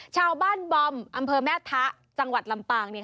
ชาวบ้านบอมอำเภอแม่ทะจังหวัดลำปาง